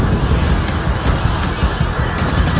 mereka nahan diri